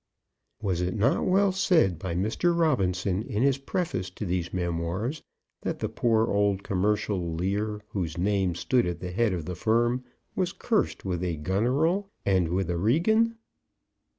Was it not well said by Mr. Robinson in his preface to these memoirs, that the poor old commercial Lear, whose name stood at the head of the firm, was cursed with a Goneril, and with a Regan?